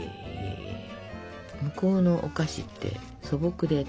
向こうのお菓子って素朴で楽しいね。